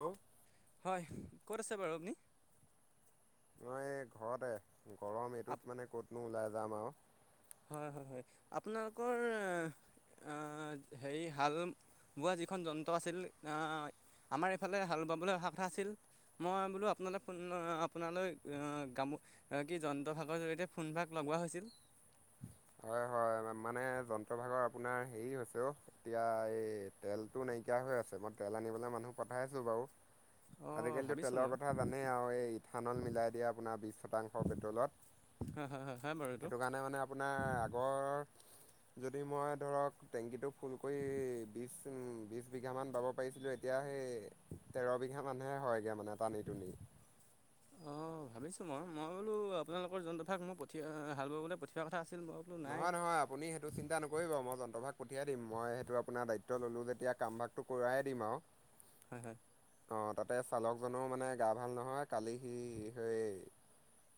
ঔ হয় ক'ত আছে বাৰু আপনি? ন এই ঘৰতে গৰম আপ এইটোত মানে ক'তনো ওলাই যাম আও। হয় হয় হয় আপোনালোকৰ। আ হেৰি হাল বোৱা যিখন যন্ত্ৰ আছিল আ আমাৰ এইফালে হাল বাবলে অহা কথা আছিল। মই বোলো আপোনালে ফোন আপোনালৈ গামু কি যন্ত্ৰ ভাগৰ জৰিয়তে ফোনভাগ লগ গোৱা হৈছিল। হয় হয়। মানে যন্ত্ৰভাগৰ আপোনাৰ হেৰি হৈছে অ এতিয়া এই তেলটো নাইকিয়া হৈ আছে ম- তেল আনিবলে মানুহ পঠাইছোঁ বাৰু। [unintelligible] আজিকালিতো ভাবিছোঁ তেলৰ মই কথা জানেই আৰু এই ইথানল মিলাই দিয়ে আপোনাৰ বিছ শতাংশ পেট্ৰলত। হ হ হা বাৰু এইটো। সেইটো কাৰণে মানে আপোনাৰ আগৰ যদি মই ধৰক টেংকীটো ফুল কৰি বি বিছ বিঘামান বাব পাৰিছিলোঁ এতিয়া সেই তেৰ বিঘা মান হে হয়গে মানে টানি টুনি। অঁ ভাবিছোঁ মই মই বোলো আপোনোকৰ জন্তদাক মই পঠিয়াই হাল বাবলৈ পঠোৱাৰ কথা আছ- নহয় নহয় আপুনি সেইটো চিন্তা নকৰিব মই যন্ত্ৰভাগ। পঠিয়াই দিম মই সেইটো আপোনাৰ দায়িত্ব ল'লোঁ যেতিয়া কামভাগটো কৰাহে দিম আও। হয় হয়। অ তাতে চালকজনৰো মানে গা ভাল নহয় কালি সি সেই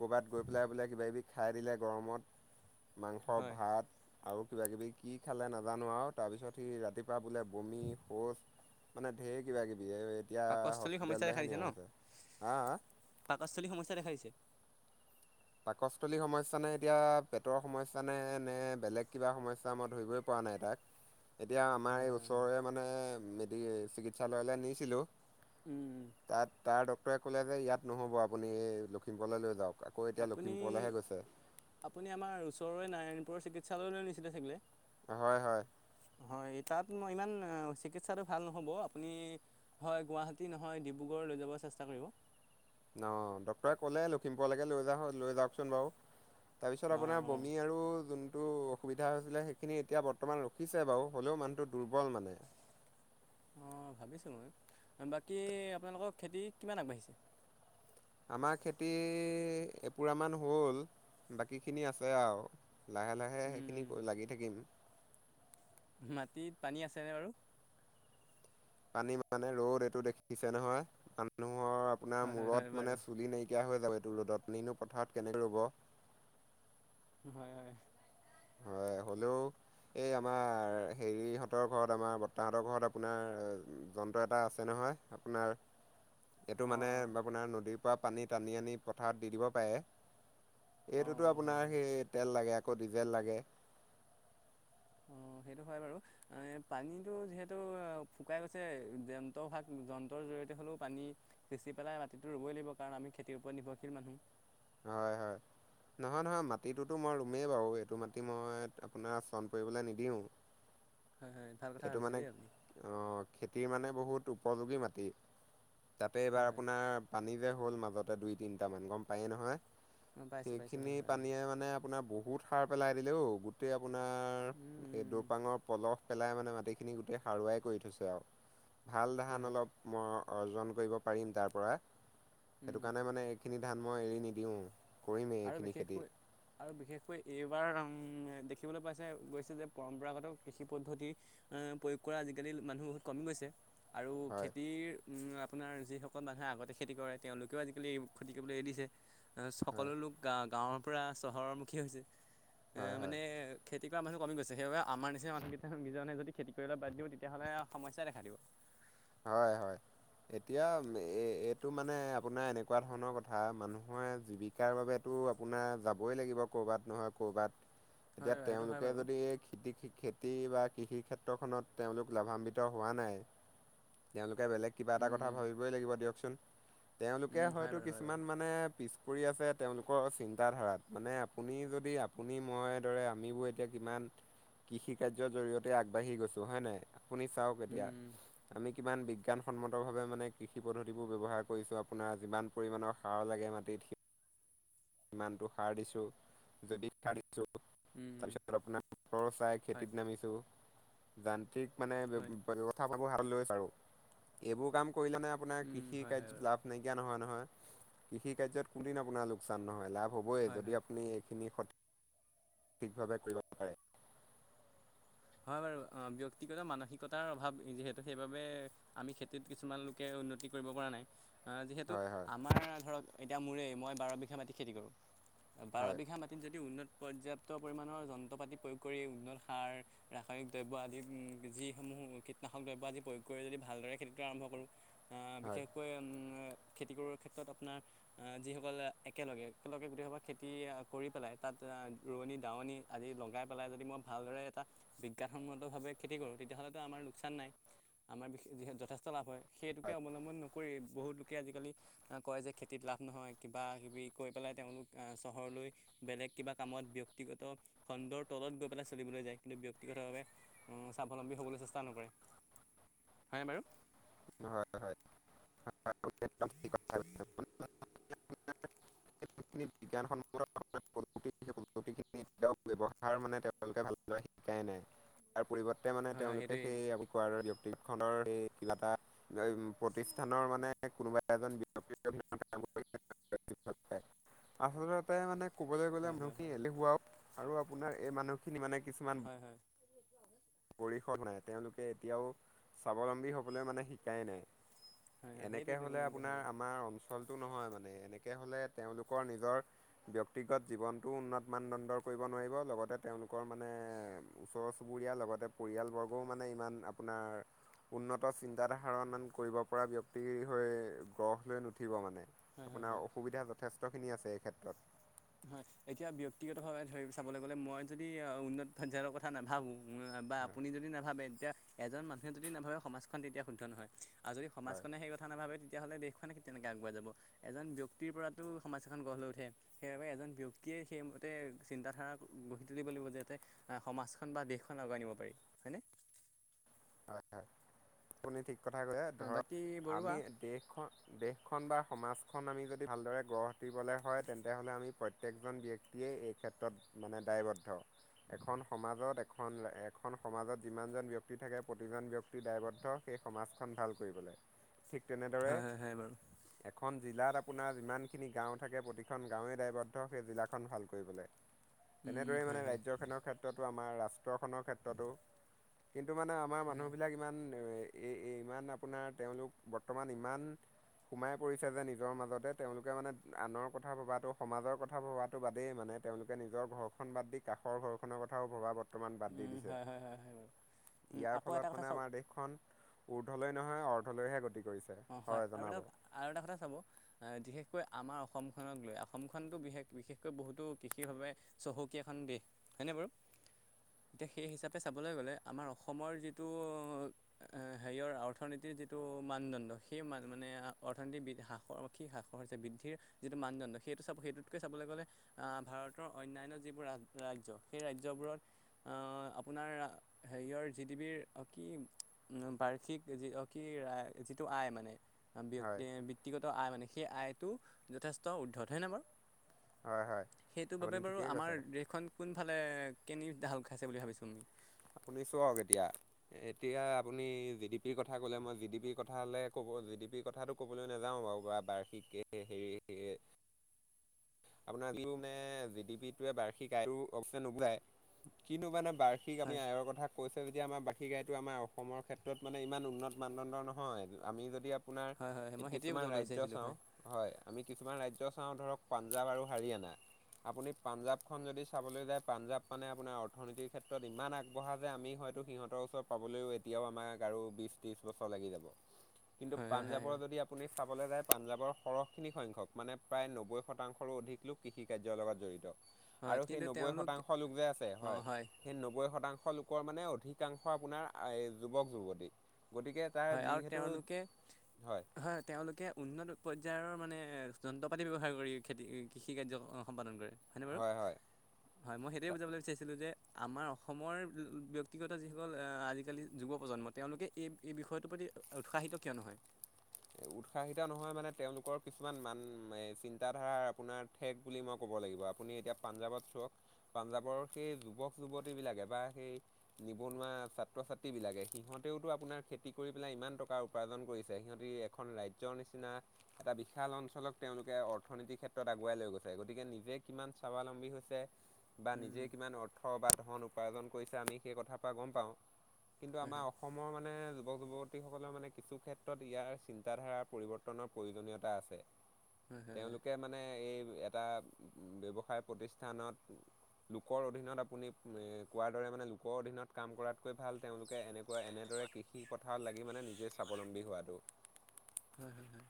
ক'ৰবাত গৈ পেলাই বোলে কিব কিবি খাই দিলে গৰমত মাংস হয় ভাত। আৰু কিবা কিবি কি খালে নাজানো আৰু তাৰপিছত সি ৰাতিপুৱা বোলে বমি শৌচ- মানে ঢেৰ কিবা কিবি। এতিয়া পাকস্থলীৰ সমস্যা দেখা হস্পিতেললৈহে দিছে নিয়া ন হৈছে হা হা। পাকস্থলীৰ সমস্যা দেখা দিছে পাকসস্থলী সমস্যা নে এতিয়া পেটৰ সমস্যা নে নে বেলেগ কিবা সমস্যা মই ধৰিবই পৰা পোৱা নাই তাক এতিয়া আমাৰ হয় এই হয় হয় ওচৰৰে মানে মেডিক চিকিৎসালয়লৈ নিছিলোঁ। উম উম তাত তাৰ ডক্টৰে কলে যে ইয়াত নহ'ব আপুনি এই লখিমপুৰলৈ লৈ যাওক। আকৌ এতিয়া আপুনি লখিমপুৰলৈহে গৈছে। আপুনি আমাৰ ওচৰৰে নাৰায়ণপুৰৰ চিকিৎসালয়লৈ নিছিলে চাগিলে। হয় হয় হয় এটাত মই ইমান চিকিৎসাটো ভাল নহ'ব আপুনি হয় গুৱাহাটী নহয় ডিব্ৰুগড় লৈ যাব চেষ্টা কৰিব। [inaudible] ন ডক্টৰেট ক'লে লখিমপুৰলৈকে লৈ যা লৈ যাওকচোন বাও। তাৰপিছত অঁ আপোনাৰ অঁ বমি আৰু যোন টো অসুবিধা হৈছিলে সেইখিনি এতিয়া বৰ্তমান ৰখিছে বাৰু হ'লেও মানুহটো দুৰ্বল মানে। অ ভাবিছিলো বাকী আপোনালোকৰ খেতি কিমান আগবাঢ়িছে? আমাৰ খেতি এপোৰা মান হ'ল বাকীখিনি আছে আও। লাহে লাহে উম, সেইখিনি লাগি থাকিম। মাটিত পানী আছেনে বাৰু। পানী মানে ৰ'দ এইটো দেখিছে নহয় আন ও ম আপোনাৰ হয় হয় হয় মূৰত বাৰু মানে চুলি নাইকিয়া হৈ যাব। টো ৰ'দত নি নু পথাৰত কেনেকে ৰুব? হয় হয়। হয় হলেও এই আমাৰ হেৰিহঁতৰ ঘৰত আমাৰ বৰ্তাহঁতৰ ঘৰত আপোনাৰ যন্ত্ৰ এটা আছে নহ হয় আপোনাৰ এইটো অঁ মানে অঁ আপোনাৰ নদীৰ পৰা পানী টানি আনি পথাৰত দি দিব পাৰে। এইটোতো অঁ হয় আপোনাৰ হয় সেই তেল লাগে আকৌ ডিজেল লাগে। অ সেইটো হয় বাৰু, এ পানীতো যিহেতু শুকাই গৈছে ডেম ট ভাগ যন্ত্ৰৰ জৰিয়তে হলেও পানী সিচি পেলাই মাটিটো ৰুবই লাগিব কাৰণ আমি খেতিৰ ওপৰত নিৰ্ভৰশীল মানুহ। হয় হয়। নহয় নহয় মাটিটোতো মই ৰুমেই বাৰু এইটো মাটি মই আপোনাৰ চণ পৰিবলৈ নিদিওঁ। [unintelligible] ভাল কথা এইটো ভাবিছে মানে, দেই আপুনি অহ খেতিৰ মানে বহুত উপযোগী মাটি। তাতে এইবাৰ হয় হয় আপোনাৰ পানী যে হ'ল মাজতে দুই তিনটামান গম পায়েই নহয়? অঁ পাইছোঁ পাইছোঁ সেইখিনি হয় হয় বাৰু পানীয়ে মানে আপোনাৰ বহুত সাৰ পেলাই দিলে ঔ, গোটেই আপোনাৰ উম, এই উম, উম। দৌপাঙৰ পলস পেলাই মানে মাটিখিনি গোটেই সাৰুৱাই কৰি থৈছে আৰু, ভাল হয় ধান হয় অলপ ম অৰ্জন কৰিব পাৰিম তাৰপৰা, উম, সেইটো উম। কাৰণে মানে এইখিনি ধান মই এৰি নিদিওঁ। কৰিমেই আৰু এইখিনি খেতি বিশেষকৈ আৰু বিশেষকৈ এইবাৰ আং উম দেখিবলৈ পাইছে গৈছে যে পৰম্পৰাগত কৃষি পদ্ধতি প্ৰয়োগ কৰা আজিকালি মানুহ কমি গৈছে আৰু হয়। খেতিৰ আপোনাৰ যিসকল মানুহে আগতে খেতি কৰে তেওঁলোকেও আজিকালি উ খেতি কৰিবলৈ এৰি দিছে। হয় সকলো লোক গা -গাঁৱৰ পৰা চহৰৰ মুুখী হৈছে। হয় এ মানে হয় খেত- খেতি কৰা মানুহ কমি গৈছে সেইবাবে আমাৰ নিচিনা মানুহকেইটাৰ নিজৰ মাজতে খেতি কৰিবলে বাদ দিব তেতিয়াহলে আও সমস্যাই দেখা দিব। হয় হয়। এতিয়া এ এইটো মানে আপোনাৰ এনেকুৱা ধৰণৰ কথা, মানুহৰ জীৱিকাৰ বাবে এইটো তো আপোনাৰ যাবই লাগিব ক'বাত নহয় ক'বাত। হয় এতিয়া হয়, সেইটো হয় তেওঁলোকে বাৰু যদি খেতি -খেতি বা কৃষি ক্ষেত্ৰখনত তেওঁলোক লাভান্বিত হোৱা নাই, তেওঁলো কে বেলেগ কিবা এটা কথা উম, ভাবিবই লাগিব দিয়কচোন। তেওঁলোকে উম, হয় হয়তো বাৰু হয় বাৰু কিছুমান মানে পিছ কৰি আছিল তেওঁলোকৰ চিন্তা ধাৰাত মানে আপুনি যদি আপুনি মই দৰে আমিবোৰ এতিয়া কিমান কৃষি কাৰ্যৰ জৰি়য়তে আগবাঢ়ি গৈছো হয় নাই? আপুনি চাওক এতিয়া উম, আমি কিমান বিজ্ঞানসন্মতভাৱে মানে কৃষি পদ্ধতিবোৰ ব্যৱহাৰ কৰিছো, আপোনাৰ যিমান পৰিমাণৰ সাৰ লাগে মাটি কৃষি সিমানটো সাৰ দিছো। যদি কালি পিছত উম, উম, তাপিছত আপোনাৰৰ বতৰ চাই হয় খেতিত নামিছো জান সঠিক মানে হয় ব্যৱ্স্থাবোৰ হাতত লৈ আছো আৰু। এইবোৰ কাম কৰিলেনে আপোনাৰ উম, কৃষি হয় হয় কাৰ্যত বাৰু। লাভ নাইকিয়া নহয় নহয়, কৃষি কাৰ্যত কোদিন আপোনাৰ লোক লোকচান নহয় লাভ হ'বই হয় যদি হয় আপুনি এইখিনি সঠি সঠিকভাৱে কৰিব পাৰে। হয় বাৰু, অ ব্যক্তিগত মানসিকতাৰ অভাৱ যিহেতু সেইবাবে আমি খেতিত কিছুমান লোকে উন্নত খেতি কৰিব পৰা নাই, আ যিহেতু হয় হয় আমাৰ ধৰক এতিয়া মোৰেই মই বাৰ বিঘা মাটি খেতি কৰোঁ বাৰ হয় বিঘা মাটিত যদি উন্নত পৰ্যাপ্ত পৰিমাণৰ যন্ত্ৰ পাতি প্ৰয়োগ কৰি উন্নত সাৰ ৰাসায়নিক দ্ৰব্য আদি যিসমূহ কীটনাশক দ্ৰব্য আদি প্ৰয়োগ কৰি যদি ভালদৰে খেতিটো আৰম্ভ কৰোঁ আ হয় বিশেষকৈ উম খেতি কৰাৰ ক্ষেত্ৰত আপোনাৰ, আহ যিসকল একেলগে একেলগে গোটা খেতি কৰি পেলাই তাত আ ৰোৱনী- দাৱনী আদি লগাই পেলাই যদি মই ভালদৰে এটা বিজ্ঞানসন্মতভাৱে খেতি কৰোঁ, তেতিয়াহলেতো আমাৰ লোকচান নাই, আমাৰ বিশ যিহেতু যথেষ্ট লাভ হয়। সেইটোকে হয় অৱলম্বন নকৰি বহুত লোকে আজিকালি কয় যে খেতিত লাভ নহয় কিবা কিবি কৰি পেলাই তেওঁলোক চহৰলৈ বেলেগ কিবা কামত ব্যক্তিগত খণ্ডৰ তলত গৈ পেলাই চলিবলৈ যায়। ব্যক্তিগতভাৱে স্বাৱলম্বী হ'বলৈ চেষ্টা নকৰে হয়নে বাৰু। হয় হয় [unintelligible] [unintelligible] নৃত্য ব্যৱহাৰ মানে তেওঁলোকে ভালদৰে শিকাই নাই। পৰিৱৰ্তে মানে হয় হয় তেওঁলোকে সেইটোৱেই সেই কোৱাৰ ব্যক্তিৰ খনৰ সেই কিবা এটা উ প্ৰতিষ্ঠানৰ মানে কোনোবা এজন [unintelligible] ভাল পায়। [inaudible] আচলতে মানে কবলৈ গলে হয় হয় মানুহখিনি হয় এলেহুৱাও আৰু আপোনাৰ এই মানুহখিনি মানে কিছুমান হয় হয় পৰিৰিষদ বনাই তেওঁলোকে এতিয়াও স্বাৱলম্বী হবলৈ মানে শিকাই নাই। হয় হয় এনেকে সেইটোৱেইটো হলে মেইন আপোনাৰ কথাটো আমাৰ অঞ্চলটো নহয় মানে এনেকে হ'লে তেওঁলোকৰ নিজৰ ব্যক্তিগত জীৱনটোও উন্নত মানদণ্ডৰ কৰিব নোৱাৰিব লগতে তেওঁলোকৰ মানে ওচৰ চুবুৰীয়াৰ লগতে পৰিয়ালবৰ্গও মানে ইমান আপোনাৰ উন্নত চিন্তা ধাৰণ কৰিব পৰা ব্যক্তি হৈ লৈ গড় নুঠিব মানে। হয় হয় আপোনাৰ হয় অসুবিধা য'ত খিনি আছে এই ক্ষেত্ৰত হয় এতিয়া ব্যক্তিগতভাৱে ধৰি চাবলৈ গ'লে মই যদি উন্নত পৰ্যায়ৰ কথা নাভাবোঁ। বা হয় আপুনি যদি নাভাবে তেতিয়া এজন মানুহে যদি নাভাবে সমাজখন তেতিয়া শুদ্ধ নহয়। আৰু যদি সমাজখনে সেই কথা নাভাবে। তেতিয়াহলে দেশখন তেনেকে আগোৱাই যাব এজন ব্যয়ক্তিৰ পৰাতো সমাজ এখন গঢ় লৈ উঠে। সেইবাবে এজন ব্যক্তিয়ে সেইমতে চিন্তাধাৰা গঢ়ি তুলিব লাগিব যে যাতে সমাজখন বা দেশখন আগোৱাই নিব পাৰি হয়নে? হয় হয় আপুনি ঠিক কথা কয় অ' ধৰক বাকী বৰুৱা আমি দেশখন দেশখন বা সমাজখন আমি যদি ভালদৰে গঢ় দিবলৈ হয় তেন্তে হ'লে আমি প্ৰত্যেকজন ব্যক্তিয়ে এই ক্ষেত্ৰত মানে দায়বদ্ধ এখন সমাজত এখন এখন সমাজত যিমানজন ব্যক্তি থাকে প্ৰতিজন ব্যক্তি দায়বদ্ধ সেই সমাজখন ভাল কৰিবলে ঠিক তেনেদৰে হয় হয় হয় বাৰু এখন জিলাত আপোনাৰ যিমানখিনি গাঁও থাকে প্ৰতিখন গাঁৱেই দায়বদ্ধ সেই জিলাখন ভাল কৰিবলে তেনেদৰেই মানে হয় হয় হয় ৰাজ্যখনৰ ক্ষেত্ৰতো আম আমাৰ ৰাষ্ট্ৰখনৰ ক্ষেত্ৰতো কিন্তু মানে আমাৰ হয় হয় মানুহবিলাক ইমান। এই ইমান আপোনাৰ তেওঁলোক বৰ্তমান ইমান সোমাই পৰিছে যে নিজৰ মাজতে তেওঁলোকে মানে আনৰ কথা ভবাতটো সমাজৰ কথা ভবাতটো বাদেই মানে তেওঁলোকে নিজৰ ঘৰখন বাদ দি কাষৰ ঘৰখনৰ কথাও ভবা বৰ উম হয় হয় হয় হয় বাৰু উম ইয়াৰ আকৌ এটা ফলত কথা মানে চাওক আমাৰ দেশখন উৰ্ধলৈ নহয় অৰ্ধলৈহে গতি কৰিছে অ হয় আৰু জনাব এটা আৰু এটা কথা চাব ধিশেষ বিশষকৈ আমাৰ অসমখনক লৈ অসমখনতো বিশেষ বিশেষকৈ বহুতো কৃষিৰভাৱে চহকীয়া এখন দেশ। হয়নে বাৰু। এতিয়া সেই হিচাপে চাবলৈ গ'লে আমাৰ অসমৰ যিটো হেৰিয়ৰ অৰ্থনীতি যিটো মানদণ্ড সেই মান মানে অৰ্থনীতি হ্ৰাসৰ কি হ্ৰাসৰ বৃদ্ধিৰ যিটো মানদণ্ড সেইটো চাব সেইটোতকে চাব কবলে গ'লে ভাৰতৰ অন্যান্য যিবোৰ ৰাজ সেই ৰাজ্যবোৰত অহ আপোনাৰ হেৰিয়ৰ জি ডি বিৰ বাৰ্ষিক অ ৰা টো আয় হয় ব্যক্তি বৃত্তিগত আই মানে সেই আইটো যথেষ্ট উৰ্দ্ধত হয় নে বাৰু। হয় হয় সেইটো আপুনি বাবে বাৰু ঠিকেই আমাৰ কৈছে দেশখন কোনফালে [unintelligible] ধাল খাইছে বুলি ভাবিছোঁ আমি। আপুনি চাওক এতিয়া এতিয়া আপুনি জি ডি পিৰ কথা কলে মই জি ডি পিৰ কথা হলে ক'ব জি ডি পিৰ কথাটো ক'বলৈ নাযাও বাৰু বা বাৰ্ষিক হেৰি [unintelligible] আপোনাৰ [unintelligible] মানে জি ডি পিটোৱে বাৰ্ষিক বায়ু [unintelligible] নুবুজায়। কিন্তু মানে বাৰ্ষিক হয় আপুনি আয়ৰ কথা কৈছে এতিয়া আমাৰ বাকী গাইটো আমাৰ অসমৰ ক্ষেত্ৰত মানে ইমান উন্নত মানদণ্ড নহয় আমি যদি আপোনাৰ হয় হয় হয়, মই সেইটোৱে কিছুমান বুজাবলৈ ৰাজ্য বিচাৰিছিলোঁ চাও হয় হয় আমি কিছুমান ৰাজ্য চাওঁ ধৰক পাঞ্জাৱ আৰু হাৰিয়ানা আপুনি পাঞ্জাৱখন যদি চাবলৈ যায় পাঞ্জাৱ মানে আপোনাৰ অৰ্থনীতিৰ ক্ষেত্ৰত ইমান আগ বঢ়া যে আমি হয়তো সিহঁতৰ ওচৰত পাবলৈও এতিয়াও আমাক আৰু বিশ ত্ৰিশ বছৰ লাগি যাব। কিন্তু হয় হয় হয় পাঞ্জাৱৰ হয় যদি আপুনি চাবলৈ যায় পাঞ্জাবৰ সৰহখিনি সংখ্যক মানে প্ৰায় নব্বৈ শতাংশৰো অধিক লোক কৃষি কাৰ্যৰ লগত জড়িত। হয় আৰু সেই কিন্তু নব্বৈ তেওঁলোক শতাংশ লোক যে আছে হয় সেই নব্বৈ শতাংশ লোকৰ মানে অধিকাংশ আপোনাৰ যুৱক যুৱতী। গতিকে তাৰ হয় আৰু যিহেতু তেওঁলোকে হয় তেওঁলোকে উন্নত পৰ্যায়ৰ মানে এ, যন্ত্ৰ পাতি ব্যৱহাৰ কৰি খেতি কৃষি কাৰ্য সম্পাদন কৰে। হয়নে বাৰু হয় হয় হয় মই সেইটোৱে বুজাবলৈ বিচাৰিছিলোঁ যে আমাৰ অসমৰ ব্যক্তিগত যিসকল আজিকালি যুৱ প্ৰজন্ম তেওঁলোকে এই এই বিষয়টোৰ প্ৰতি উৎসাহিত কিয় নহয়। উৎসাহিত নহয় মানে তেওঁলোকৰ কিছুমান মান চিন্তা ধাৰা আপোনাৰ ঠেক বুলি মই ক'ব চাব লাগিব আপুনি এতিয়া পঞ্জাৱত [unintelligible] পাঞ্জাৱৰ সেই যুৱক যুৱতি বিলাকে বা সেই নিবনুৱা ছাত্ৰ ছাত্ৰীবিলাকে সিহঁতেওতো আপোনাৰ খেতি কৰি পেলাই ইমান টকা উপাৰ্জন কৰিছে সিহঁতি এখন ৰাজ্যৰ নিচিনা এটা বিশাল অঞ্চলক তেওঁলোকে অৰ্থনীতিৰ ক্ষেত্ৰত আগুৱাই লৈ গৈছে গতিকে নিজে এ কিমান স্বাৱলম্বী হৈছে। বা নিজে উম, কিমান অৰ্থ বা ধন উপাৰ্জন কৰিছে আমি সেই কথাৰ পৰা গম পাওঁ। কিন্তু হয় আমাৰ হয় অসমৰ মানে যুৱক যুৱতীসকলৰ মানে কিছু ক্ষেত্ৰত ইয়াৰ চিন্তাধাৰা পৰিৱৰ্তনৰ প্ৰয়োজনীয়তা আছে হয় হয় হয় তেওঁলোকে মানে এই টাত ব্যৱসায় প্ৰতিষ্ঠানত লোকৰ অধীনত আপুনি এ কোৱাৰ দৰে মানে লোকৰ অধীনত কাম কৰাত কৈ ভাল তেওঁলোকে এনেকুৱা এনেদৰে কৃষি পথাৰত লাগি মানে নিজে স্বাৱলম্বী হোৱাটো। হয়, হয়-হয়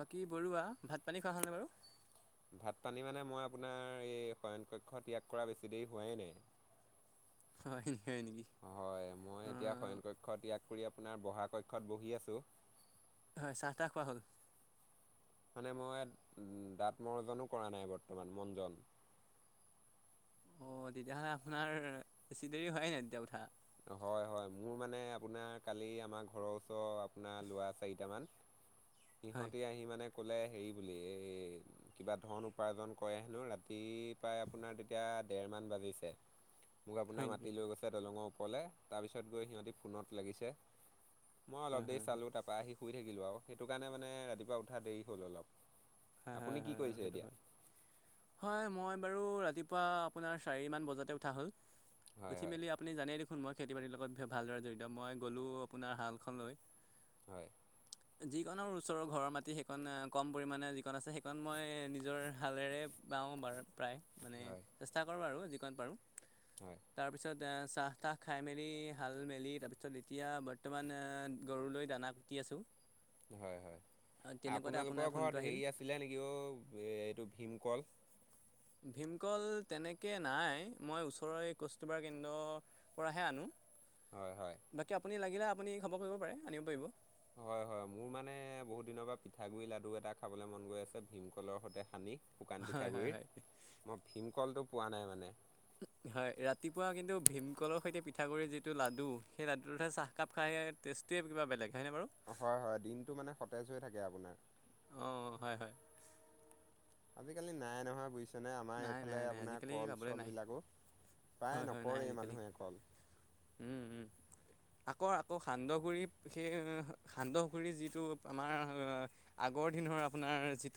বাকী বৰুৱা ভাত পানী খোৱা হলনে বাৰু? ভাত পানী মানে মই আপোনাৰ এই শয়ন কক্ষ ত্যাগ কৰা বেছি দেৰি হোৱাই নাই। হয় হয় নেকি হয় মই অঁ এতিয়া শয়ন কক্ষ ত্যাগ [unintelligible] আপোনাৰ বহা কক্ষত বহি আছো। হয় চাহ টাহ খোৱা হ'ল। মানে মই দাঁত মৰ্জনো কৰা নাই বৰ্তমান মনজন। অ' তেতিয়াহ'লে আপোনাৰ বেছি দেৰি হোৱাই নাই তেতিয়া উঠা। হয়-হয় মোৰ মানে আপোনাৰ কালি আমাৰ ঘৰৰ ওচৰ আপোনাৰ লোৰা চাৰিটামান। [inaudible] সিহঁতি আহি মানে কলে হেৰি বুলি এই কিবা ধন উপাৰ্জন কৰে হেনো ৰাতি পাই আপোনাৰ তেতিয়া ডেৰ মান বাজিছে। [inaudible] মোক আপোনাৰ নেকি মাতি লৈ গৈছে দলঙৰ ওপৰলে তাৰপিছত গৈ সিহঁতি ফোনত লাগিছে। মই হয় অলপ দেৰি হয় হয় চালো তাৰপৰা আহি শুই থাকিলো আৰু সেইটো কাৰণে মানে ৰাতিপুৱা উঠা দেৰি হ'ল অলপ। হয়, আপুনি কি হয়-হয় বাৰু কৰিছে সেইটো এতিয়া হয়, হয় মই বাৰু ৰাতিপুৱা আপোনাৰ চাৰিমান বজাতে উঠা হ'ল। হয় উঠি হয় মেলি আপুনি জানেই দেখোন মই খেতি বাতিৰ লগত ভালদৰে জড়িত মই গ'লোঁ আপোনাৰ হালখনলৈ হয়। যিকনৰ ওচৰৰ ঘৰৰ মাটি সেইকন কম পৰিমানে আছে সেইকণ মই নিজৰ হালেৰে বাওঁ বাৰু প্ৰায় মানে হয় চেষ্টা কৰোঁ আৰু। যিকন পাৰোঁ হয় তাৰপিছত চাহ তাহ খাই মেলি হাল মেলি তাৰপিছত এতিয়া বৰ্তমান গৰুলৈ দানা কুটি আছোঁ। হয় হয় তেনেকুৱাতে আপোনাৰ আপোনালোকৰ ফোনটো ঘৰত আহিল হেৰি আছিলে নেক- কিয় এইটো ভীমকল ভীমকল তেনেকৈ নাই মই ওচৰৰ এই কষ্টবাৰ কেন্দ্ৰৰ পৰাহে আনো। হয় হয় বাকী আপুনি লাগিলে আপুনি খবৰ কৰিব পাৰে, আনিব পাৰিব। হয় হয় মোৰ মানে বহুত দিনৰ পৰা পিঠা গুৰি লাডু এটা খাবলৈ মন গৈ আছে ভীমকলৰ সৈতে সানি। শুকান হয় হয় হয় পিঠাগুৰিৰ মই ভীমকলটো পোৱা নাই মানে। [inaudible] হয় ৰাতিপুৱা কিন্তু ভীমকলৰ সৈতে পিঠাগুৰিৰ যিটো লাডু, সেই লাডুটোহে চাহকাপ খাইহে টেষ্ট। তে বিবা বেলেগ হয়নে বাৰু হয় হয় দিনটো মানে সতেজ হৈ থাকে আপোনাৰ। অঁ হয় হয় আজিকালি নাই নহয় বুজিছ- যেনে আমাৰ নাই এইফালে নাই নাই আপোনাৰ আজিকালি কল পাবলৈ নাই চলবিলাকো প্ৰায় হয় হয় নাই নকৰে আজিকালি মানুহে কল উম উম। আকৌ আকৌ সান্দহগুৰি সেই সান্দহগুৰি যিটো আমাৰ আগ- বৰ দিন হয় আপোনাৰ যিটো